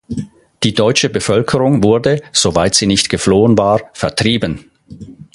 Die deutsche Bevölkerung wurde, soweit sie nicht geflohen war, vertrieben.